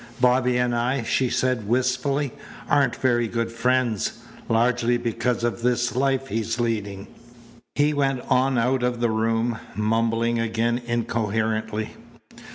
"Bobby and I," she said wistfully, "aren't very good friends, largely because of this life he's leading." He went on out of the room, mumbling again incoherently.